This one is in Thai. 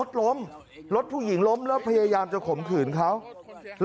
ทำไมคงคืนเขาว่าทำไมคงคืนเขาว่า